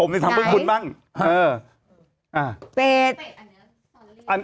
มีทั้งเป็ด